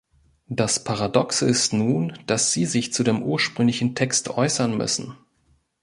Das Paradoxe ist nun, dass Sie sich zu dem ursprünglichen Text äußern müssen.